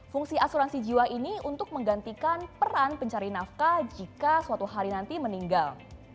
fungsi asuransi jiwa ini untuk menggantikan peran pencari nafkah jika suatu hari nanti meninggal